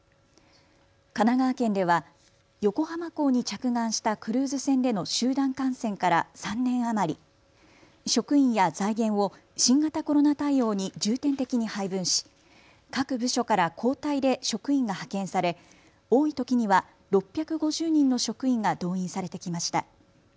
神奈川県では横浜港に着岸したクルーズ船での集団感染から３年余り、職員や財源を新型コロナ対応に重点的に配分し各部署から交代で職員が派遣され多いときには６５０人の職員が動員されてきました。